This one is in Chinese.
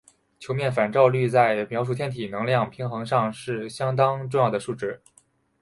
球面反照率在描述天体能量平衡上是相当重要的数值。